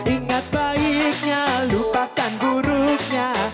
ingat baiknya lupakan buruknya